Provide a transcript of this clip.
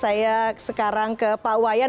saya sekarang ke pak wayan